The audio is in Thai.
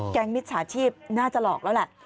แกงมิตรศาชีพน่าจะหลอกแล้วล่ะ